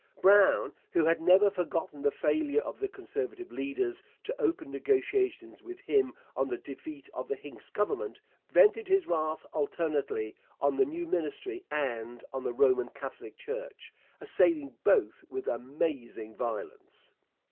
Brown, who had never forgotten the failure of the Conservative leaders to open negotiations with him on the defeat of the Hincks Government, vented his wrath alternately on the new Ministry and on the Roman Catholic Church, assailing both with amazing violence.